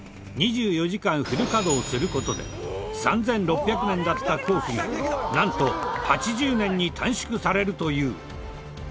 ２４時間フル稼働する事で３６００年だった工期がなんと８０年に短縮されるという。